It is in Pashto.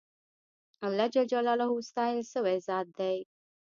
اللهﷻ ستایل سوی ذات دی.